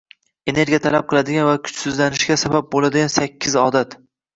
Energiya talab qiladigan va kuchsizlanishga sabab bo‘ladigansakkizodat